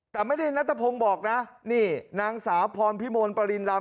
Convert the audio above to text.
แต่ไม่ได้นัทพงศ์บอกนะนี่นางสาวพรพิมลปริณรำ